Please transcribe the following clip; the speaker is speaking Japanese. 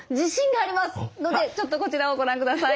のでちょっとこちらをご覧ください。